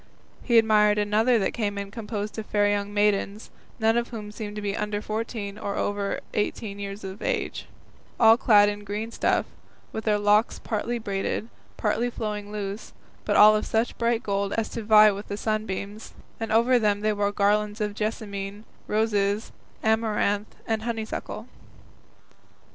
He also admired another that came in composed of fair young maidens, none of whom seemed to be under fourteen or over eighteen years of age, all clad in green stuff, with their locks partly braided, partly flowing loose, but all of such bright gold as to vie with the sunbeams, and over them they wore garlands of jessamine, roses, amaranth, and honeysuckle.